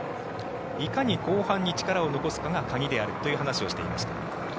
いかに後半に力を残すかが鍵であるという話をしていました。